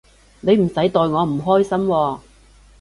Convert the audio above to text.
你唔使代我唔開心喎